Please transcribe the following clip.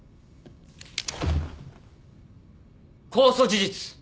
公訴事実。